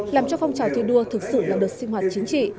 làm cho phong trào thi đua thực sự là đợt sinh hoạt chính trị